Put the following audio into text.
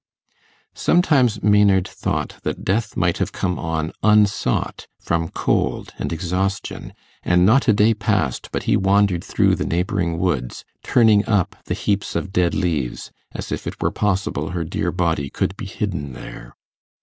Sometimes Maynard thought that death might have come on unsought, from cold and exhaustion; and not a day passed but he wandered through the neighbouring woods, turning up the heaps of dead leaves, as if it were possible her dear body could be hidden there.